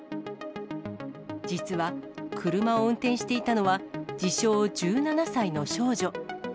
実は、車を運転していたのは、自称１７歳の少女。